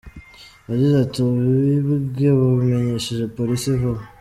Yagize ati "Abibwe babimenyesheje Polisi vuba.